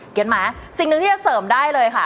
เห็นไหมสิ่งหนึ่งที่จะเสริมได้เลยค่ะ